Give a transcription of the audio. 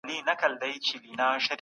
خواخوږي ژړا زیاتوي.